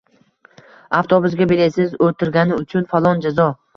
avtobusga biletsiz o‘tirgani uchun falon jazo